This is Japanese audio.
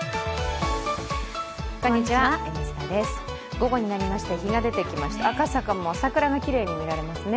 午後になりまして、日が出てきまして赤坂も桜がきれいに見られますね。